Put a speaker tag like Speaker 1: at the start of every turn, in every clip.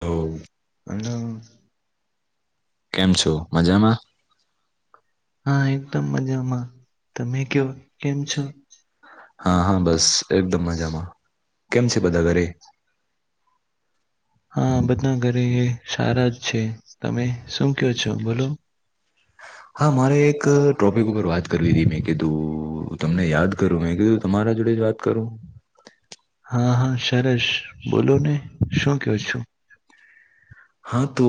Speaker 1: હડ.. [unintelligible]
Speaker 2: કેમ છો, મજામાં?
Speaker 1: હા, એકદમ મજામાં તમે [inaudible] કયો, કેમ છો.
Speaker 2: હા.. હા.. બસ એકદમ મજામાં કેમ છે, બધા ઘરે?
Speaker 1: હા.. બધા ઘરે એ સારા જ છે, તમે શું કયો છો બોલો?
Speaker 2: હા.. મારે એક ટોપિક ઉપર વાત કરવી હતીતી, મેં કીધું, તમને યાદ કરું મેં કીધું. તમારા જોડે જ વાત કરું.
Speaker 1: હા.. હા.. સરસ બોલોને શું કો છું? હા, તો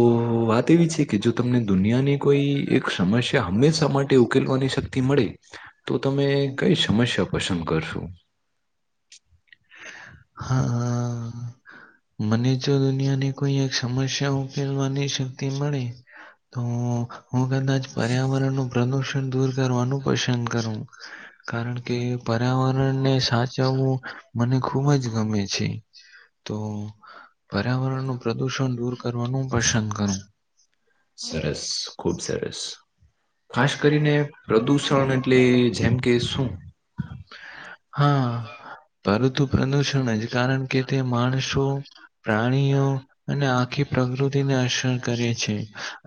Speaker 1: વાત એવી છે, કે તમને દુનિયાની કોઈ એક સમસ્યા હમેજ ઉપરી. મળી.. તો તમે કઈ સમસ્યા પછ.. હા.. હા.. મને જો દુનિયાને.. કોઈ એક સમસ્યા ઉકેલવાની શક્તિ મળે.. તો, હું કદાચ પર્યાવરણ નું પ્રદુષણ દૂર કરવાનું પસંદ કરું. કારણ કે પર્યાવરણને સાચવવું, મને ખુબ જ ગમે છે. તો પર્યાવરણનું પ્રદુષણ દૂર કરવાનું પસંદ કરું. સરસ ખુબ સરસ. ખાસ કરીને, પ્રદુષણ એ જેમ કે શું?
Speaker 2: હા..
Speaker 1: પરંતુ પ્રદુષણ જ કારણ કે, તે માણસો, પ્રાણીઓ અને આખી.. પ્રકૃતિને અસર કરે છે,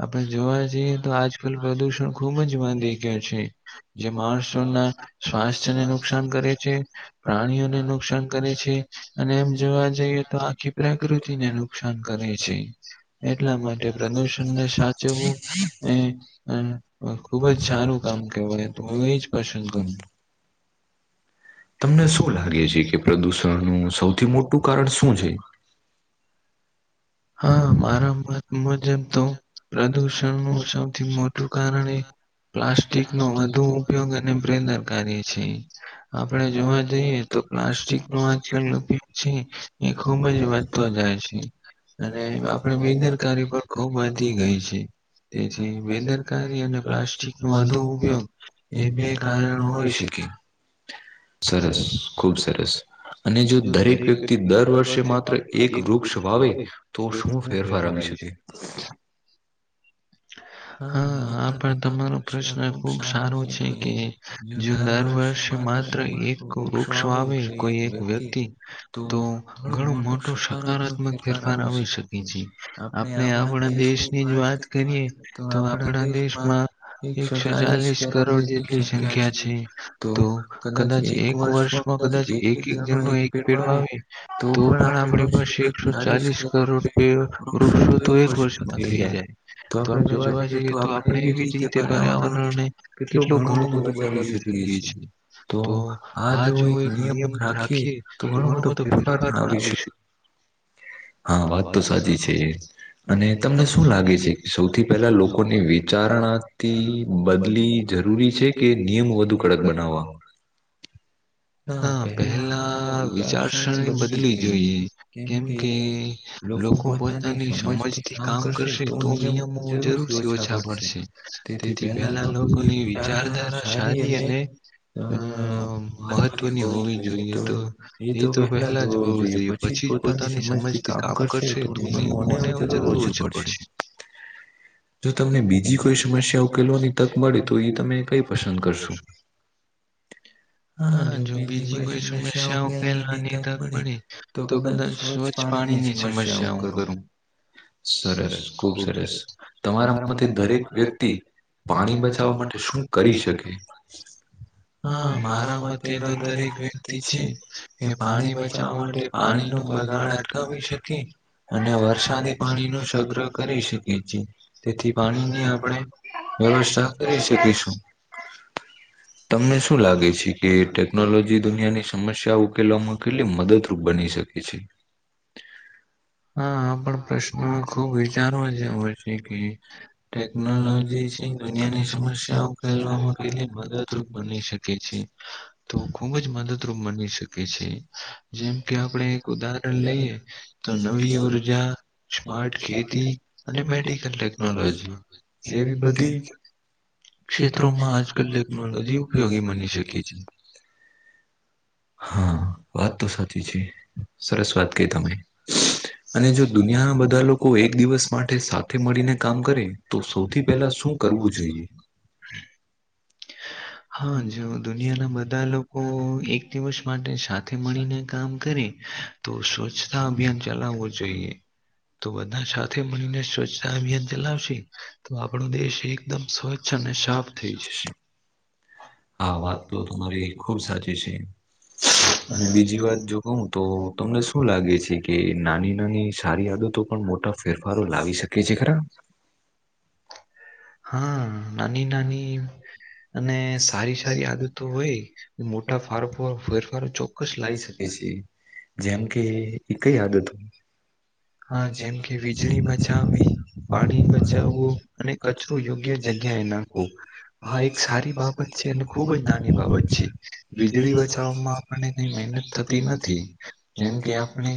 Speaker 1: આપણે જોવા જઈએ, તો આજકાલ પ્રદુષણ ખુબ જ વાંધી.. જે છે માણસોના સ્વાસ્થ્યને નુકસાન.. કરે છે, પ્રાણીઓને નુકસાન કરે છે, અને એમ જોવા જઈએ, તો આખી.. પ્રકૃતિને નુકસાન કરે છે. એટલા માટે પ્રદુષણને સાચવવું, એ અને ખુબ જ સારું કામ કેવાય તો, હું એજ પસંદ કરમ..
Speaker 2: તમને શું લાગે છે કે, પ્રદુષણનું સૌથી મોટું કારણ શું છે?
Speaker 1: હ.. [inaudible] હા, મારા મટ મુજબ, તો પ્રદુષણ નું સૌથી મોટું કારણ એ.. પ્લાસ્ટિકનો વધુ ઉપયોગ અને પ્રેદરકાર્ય છે. આપણે જોવા જઈએ, તો પ્લાસ્ટિકનો આજકાલ ઉપયોગ છે, એ ખુબ જ વધી.. તો જાય છે, અને આપણેે બેદરકારી પર ખુબ વધી ગઈ છે. તેથી બેદરકારી અને પ્લાસ્ટિકનો વધુ ઉપયોગ, એ બે કારણો હોય છે.
Speaker 2: સરસ ખુબ સરસ અને જો દરેક વ્યક્તિ દર વર્ષે માત્ર એક વૃક્ષ વાવે.. તો શું ફેરફાર આવી શકે?
Speaker 1: હ.. [unintelligible] હા.. આ પણ તમારો પ્રશ્ન ખુબ સારો છે કે, જો દર વર્ષે.. માત્ર એક વૃક્ષ વાવે, કોઈ એક વ્યક્તિ તો? ઘણું મોટું સકારાત્મક ફેરફાર આવે છે. [unintelligible] ચકી ચી આપણે આપણા દેશની જ વાત કરીએ, તો આપણા દેશમાં? એકસો ચાલીસ કરોડ જેટલી સંખ્યા છે તો કદાચ એક વર્ષ માં કદાચ એક એક જણ એક પેડ વાવીએ તો પણ આપણી પાસે એકસો ચાલીસ [inaudible] વર્ષમાં થઈ જાય તો આપડણે જોવા જઈએ તો આપણે એવી જ રીતે પર્યાવરણને કેટલું ઘણું બધું [unintelligible] શકીએ છીએ તો આ જો એક નિયમ રાખીએ તો ઘણો બધો ફેરફાર પણ આવી છે
Speaker 2: હા વાત તો સાચી છે અને તમને શું લાગે છે પહેલા લોકોની વિચારણાથી બદલી જરૂરી છે કે નિયમ વધુ
Speaker 1: [unintelligible] ના પહેલા વિચાર સેરણી બદલી જોઈએ કેમ કે લોકો પોતાની સમજથી કામ કરશે તો નિયમો જરૂરથી ઓછા પડશે તેથી પહેલા લોકોની વિચારધારા સારી અને અ મહત્વની હોવી જોઈએ તો એ તો પેલા જ હોવું જોઈએ પછી જ પોતાની સમજથી કામ કરશે તો નિયમોને જરૂર ઓછી પડશે
Speaker 2: જો તમને બીજી કોઈ સમસ્યા ઉકેલવાની તક મળે તો એ તમે કઈ પસંદ કરશો
Speaker 1: [inaudible] હા જો બીજી કોઈ સમસ્યા ઉકેલવાની તક મળી તો કદાચ સ્વચ્છ પાણી ની સમસ્યા હું કરું સરસ ખુબ સરસ તમારા મતે દરેક વ્યક્તિ પાણી બચાવવા માટે શું કરી. હા મારા મતે દરેક વ્યક્તિ છે કે પાણી બચાવવા માટે પાણી નું બગાડ અઠાવી અને વરસાદી પાણી નો સગ્રહ કરી શકીએ છે તેથી પાણીની આપણે વ્યવસ્થા કરી શકે છે
Speaker 2: તમને શું લાગે છે કે ટેકનોલોજી દુનિયાની સમસ્યા ઉકેલવામાં કેટલી મદદરૂપ બની શકે ઈ શી.
Speaker 1: હા પણ પ્રશ્નો ખુબ વિચારાજેઓ નઈ. કે ટેકનોલોજી છે દુનિયાની સમસ્યાઓ ઉકેલવામાં કેટલી મદદરૂપ બની શકે થી છે તો ખૂબ જ મદદરૂપ બની શકે છે જેમ કે આપણે ઉદાહરણ લઈએ તો નવી ઉર્જા સ્માર્ટ ખેતી અને મેડિકલ ટેકનોલોજી જેવી બધી ક્ષેત્રોમાં આજકાલ ટેકનોલોજી ઉપયોગી બની શકે છે
Speaker 2: હા વાત તો સાચી છે સરસ વાત કરી તમે અને જો દુનિયાના બધા લોકો એક દિવસ માટે સા
Speaker 1: મળીને કામ કરે તો સૌથી પહેલા શું કરવું જોઈએ હા જો દુનિયાના બધા લોકો એક દિવસ માટે સાથે મળીને કામ કરે તો સ્વચ્છ અભિયાન ચલાવવો જોઈએ તો બધા સાથે મળીને સ્વછ અભિયાન ચલાવશે તો આપણો દેશ એકદમ સ્વચ્છ અને સાફ થઈ જશે
Speaker 2: આ વાત તો તમારી ખુબ સાચી છે અને બીજી વાત જો કઉ તો તમને શું લાગે છે કે નાની નાની સારી આદતો પણ મોટા ફેરફારો લાવી શકે છે ખરા
Speaker 1: હા નાની નાની અને સારી સારી આદતતો હોય મોટા [unintelligible] ચોક્કસ લાવી શકે છે
Speaker 2: જેમ કે એ કઈ આદત હોય [unintelligible] [unintelligible]
Speaker 1: સારી બાબત છે અને ખુબ જ નાની બાબત છે વીજળી બચાવમાં આપને કઈ મહેનત થતી નથી જેમ કે આપણે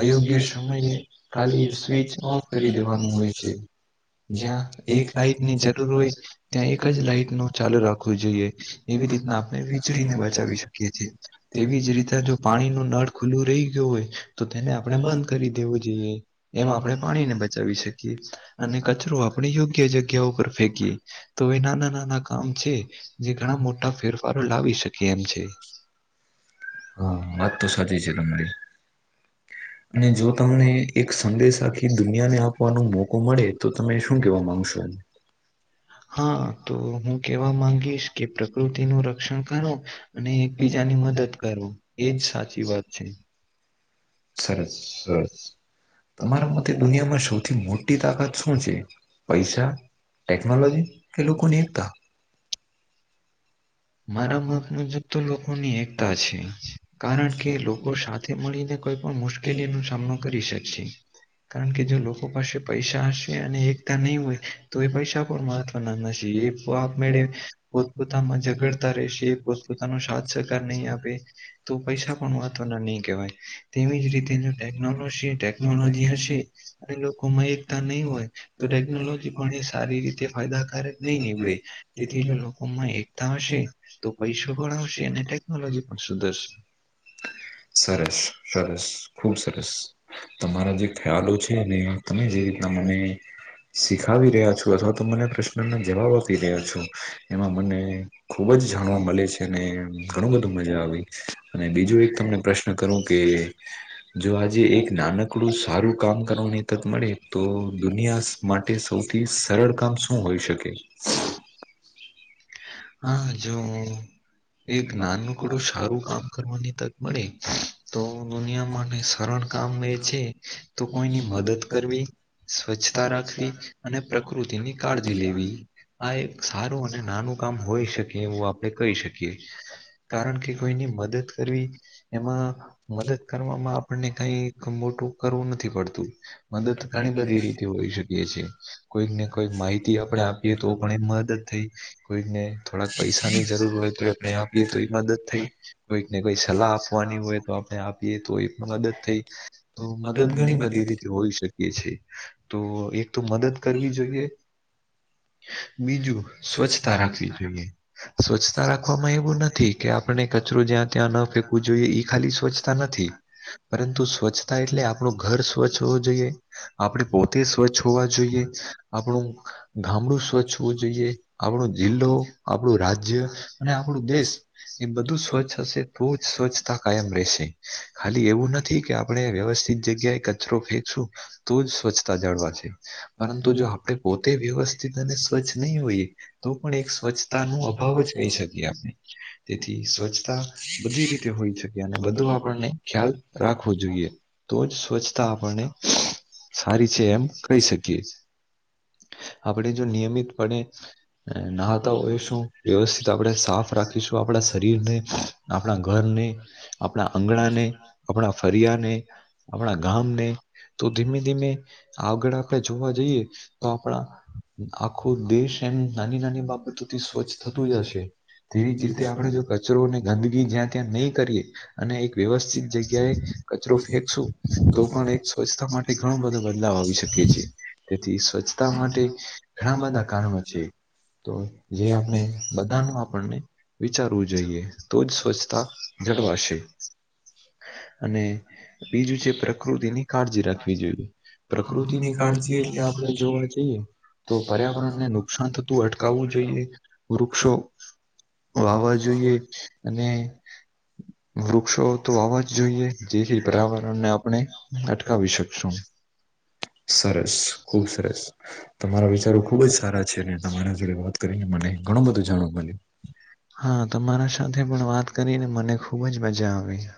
Speaker 1: અયોગ્ય સમયે ખાલી સ્વચ ઓફ કરી દેવાનું હોય છે જ્યાં એક લાઈટ ની જરૂર હોય ત્યાં એક જ લાઈટ નું ચાલુ રાખવું જોઈએ એવી રીતના આપણે વીચળીને બચાવી શકીએ છીએ તેવી જ રીતે જો પાણી નુ નળ ખુલ્લું રહી ગયું હોય તો તેને આપણે બંધ કરી દેવું જોઈએ એમાં આપણે પાણીને બચાવી શકીએ. અને કચરો આપણે યોગ્ય જગ્યા ઉપર ફેંકીએ તો એ નાના નાના આમ છે જે ઘણા મોટા ફેરફારો લાવી શકે એમ છે.
Speaker 2: હા વાત તો સાચી છે તમારી. અને જો તમને એક સંદેશ આખી દુનિયાને આપવાનો મોકો મળે. તો તમે શું કેવા માંગશો એને.
Speaker 1: હા. હા તો હું કેવા માંગીશ કે પ્રકૃતિનું રક્ષણ કરો અને એકબીજાની મદદ. કરવું, એજ સાચી વાત છે.
Speaker 2: સરસ સરસ. તમારા મતે દુનિયામાં સૌથી મોટી તાકાત શું છે? પૈસા ટેકનોલોજી, કે લોકોની એકતા.
Speaker 1: [inaudible] મારા મત મુજબ તો લોકોની એકતા છે, કારણ કે લોકો સાથ મળીને કોઈ પણ મુશ્કેલી નો સામનો કરી શકશે. કારણ કે જો લોકો પાસે પૈસા હશે, અને એકતા નહીં હોય, તો એ પૈસા પણ મા થાના નશી, એ પાપ મેળે પોતપોતામાં ઝઘડતા રહેશે, પો પોતાનો સાથ સહકાર નહીં આપે, તો પૈસા પણ મહત્વના નહી કહેવાય. તેવીજ રીતે જો ટેકનોલોજી ટેકનોલોજી હશે, અને લોકો માં એકતા નહી હોય તો ટેકનોલોજી પણ એ સારી રીતે ફાયદાકારક નહી નીવડે, તેથી જો લોકોમાં એકતા હશે તો પૈસો પણ આવશે, અને ટેકનોલોજી પણ સુધરશે, સરસ.
Speaker 2: સરસ. ખુબ સરસ, તમારા જે ખ્યાલો છે ને, તમે જે રીતના મને શીખાવી રહ્યા છો, અથવા તો મને પ્રશ્નના જવાબ આપી રહ્યા છો, એમાં મને ખુબ જ જાણવા મળે છે, અને ઘણું બધું મજા આવી, અને બીજું એક તમને પ્રશ્ન કરું કે કે, જો આજે એક નાનકડું સારું કામ કરવાની તક મળે તો દુનિયા માટે સૌથી સરળ કામ શું હોઈ શકે?
Speaker 1: હા જો એક નાનું કડું સારું કામ કરવાની તક મળે. તો દુનિયામાંની સરળ કામ એ છે, તો કોઈની મદદ કરવી. સ્વચ્છતા રાખવી, અને પ્રકૃતિની કાળજી લેવી. આ એક સારું અને નાનું કામ હોઈ શકે, એવું આપણે કહી શકીએ. કારણ કે, કોઈની મદદ કરવી, એમાં મદદ કરવામાં આપણને કઈ એક મોટું કરવું નથી પડતું. મદદ ઘણી બધી રીતે હોઈ શકીએ છે. કોઈકને કોઈ માહિતી આપણે આપીએ તો પણ એ મદદ થઈ, કોઈકને થોડાક પૈસાની જરૂર હોય તો આપણે આપીએ તો એ મદદ થઈ, કોઈકને કોઈ સલાહ આપવાની હોય તો આપ ને આપીએ તો એ મદદ થઈ, તો મદદ ઘણી બધી રીતે હોઈ શકીએ છે. તો એક તો મદદ કરવી જોઈએ. બીજું, સ્વચ્છતા રાખવી જોઈએ. સ્વચ્છતા રાખવામાં એવું નથી, કે આપણે કચરો જ્યાં ત્યાં ન ફેંકવું જોઈએ, ઈ ખાલી સ્વચ્છ તા નથી, પરંતુ સ્વચ્છતા એટલે આપણું ઘર સ્વચ્છ હોવું જોઈએ, આપણે પોતે સ્વચ્છ હોવા જોઈએ, આપણું ગામડું સ્વચ્છ હોવું જોઈએ, આપણો જિલ્લો આપણું રાજ્ય અને આપણું દેશ. એ બધું સ્વચ્છ હશે, તો જ સ્વચ્છતા કાયમ રહેશે. ખાલી એવું નથી કે આપણે વ્યવસ્થિત જગ્યાએ કચરો ફેંકશું. તો જ સ્વચ્છતા જળવા છે. પરંતુ જો આપણે પોતે વ્યવસ્થિત અને સ્વચ્છ નહી હોઈએ, તો પણ એક સ્વચ્છ તા નુ અભાવ જ કહી શકીએ આપણે. તેથી સ્વચ્છતા બધી રીતે હોઈ શકે, અને બધું આપ આપને ખ્યાલ રાખવો જોઈએ, તો જ સ્વચ્છતા આપણને સારી છે એમ કહી શકીએ, આપડે જો નિયમિતપણે એ નાહતા હોઇશું, વ્યવસ્થિત આપડે સાફ રાખીશું આપણા શરીર ને. આપણા ઘરને, આપણા આંગણાને, આપણા ફરિયાને. આપણા ગામને, તો ધીમે-ધીમે આગળ આપણેે જોવા જઈએ તો આપણા આખો દેશ એમ નાની-નાની બાબતોથી સ્વચ્છ થતું જશે. તેવી જ રીતે આપણે જો કચરોને ગંદકી જ્યાં ત્યાં નહીં કરીએ, અને એક વ્યવસ્થિત જગ્યાએ કચરો ફેંકશું. તો પણ એક સ્વચ્છતા માટે- ઘણો બધો બદલાવ આવી શકે છે. તેથી સ્વચ્છતા માટે- ઘણા બધા કારણો છે. તો જે આપણે બધાનો આપણને- વિચારવું જોઈએ. તો જ સ્વચ્છતા જળવાશે. અને બીજું છે, પ્રકૃતિની કાળજી રાખવી જોઈએ. પ્રકૃતિ ની કાળજી એટલે આપણે જોવા જઈએ. તો પર્યાવરણને નુકસાન થતું અટકાવવું જોઈએ. વૃક્ષો વાવા જોઈએ અને વૃક્ષો તો વાવા જ- જોઈએ. જેથી પર્યાવરણને આપણે અટકાવી શકશું. સરસ. [unintelligible]
Speaker 2: સરસ. તમારા વિચારો ખુબ જ સારા છે અને તમારા સાથે વાત કરીને મને ઘણું બધું જાણવા મળ્યું.
Speaker 1: હા તમારા સાથે પણ વાત કરીને મને ખુબ જ મજા આવી છે.